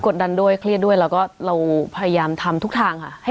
สวัสดีครับทุกผู้ชม